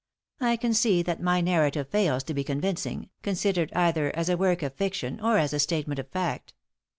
I can see that my narrative fails to be convincing, considered either as a work of fiction or as a statement of fact.